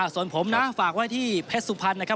ส่วนผมนะฝากไว้ที่เพชรสุพรรณนะครับ